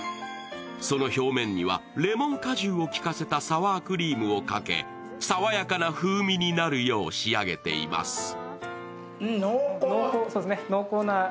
その表面にはレモン果汁をきかせたサワークリームをかけ、爽やかな風味になるよう仕上げています。